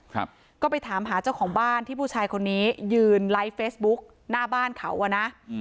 ครับก็ไปถามหาเจ้าของบ้านที่ผู้ชายคนนี้ยืนไลฟ์เฟซบุ๊กหน้าบ้านเขาอ่ะนะอืม